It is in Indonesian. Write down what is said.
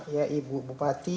ya ibu bupati